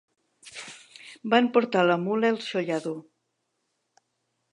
Van portar la mula al xollador.